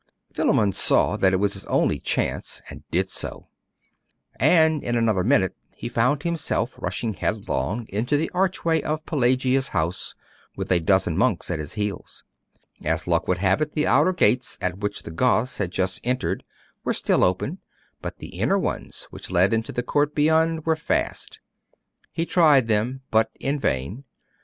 Philammon saw that it was his only chance, and did so; and in another minute he found himself rushing headlong into the archway of Pelagia's house, with a dozen monks at his heels. As luck would have it, the outer gates, at which the Goths had just entered, were still open; but the inner ones which led into the court beyond were fast. He tried them, but in vain.